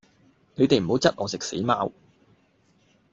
你哋唔好質我食死貓